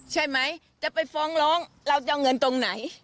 ใช่ไหมจะไปฟ้องร้องเราจะเอาเงินตรงไหน